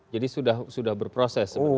jadi sudah berproses sebenarnya